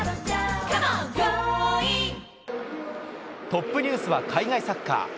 トップニュースは海外サッカー。